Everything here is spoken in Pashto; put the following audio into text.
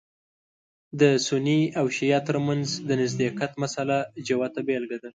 د سني او شعیه تر منځ د نزدېکت مسأله جوته بېلګه ده.